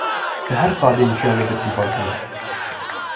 Di her qadên jiyanê de pîvan hene.